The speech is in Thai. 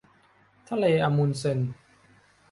ทะเลอะมุนด์เซน